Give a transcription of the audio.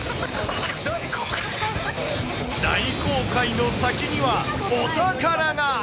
大航海の先には、お宝が。